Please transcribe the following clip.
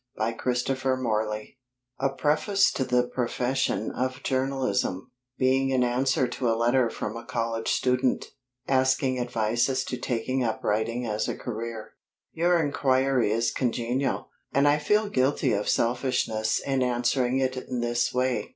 A PREFACE TO THE PROFESSION OF JOURNALISM (BEING AN ANSWER TO A LETTER FROM A COLLEGE STUDENT, ASKING ADVICE AS TO TAKING UP WRITING AS A CAREER) Your inquiry is congenial, and I feel guilty of selfishness in answering it in this way.